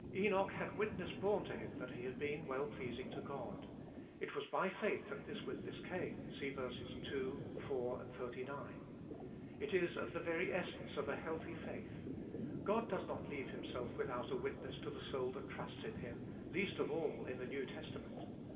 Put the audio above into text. Enoch had witness borne to him that he had been well pleasing to God. It was by faith that this witness came (see vers. 2, 4, 39). It is of the very essence of a healthy faith : God does not leave Himself without a witness to the soul that trusts in Him, least of all in the New Testament.